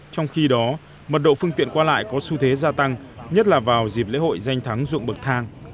trong khi đó mật độ phương tiện qua lại có xu thế gia tăng nhất là vào dịp lễ hội danh thắng dụng bậc thang